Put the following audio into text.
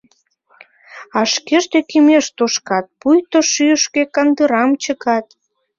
А шкешт ӧкымеш тушкат, пуйто шӱйышкӧ кандырам чыкат».